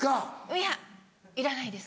いやいらないです。